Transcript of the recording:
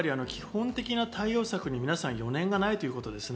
日本の場合、基本的な対応策を皆さん、余念がないということですね。